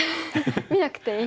見なくていい。